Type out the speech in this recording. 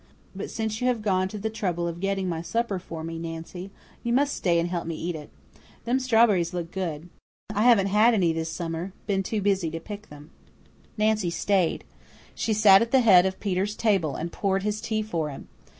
But since you have gone to the trouble of getting my supper for me, Nancy, you must stay and help me eat it. Them strawberries look good. I haven't had any this summer been too busy to pick them." Nancy stayed. She sat at the head of Peter's table and poured his tea for him.